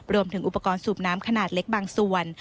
รวมถึงอุปกรณ์สูบน้ำขนาดเล็กบางส่วน